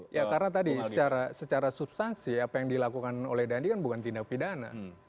ya karena tadi secara substansi apa yang dilakukan oleh dhani kan bukan tindak pidana